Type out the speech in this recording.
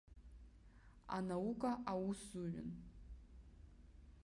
Анаука усзуҩын.